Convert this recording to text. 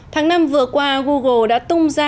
tháng năm vừa qua google đã tung ra